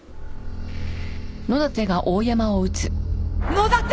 野立！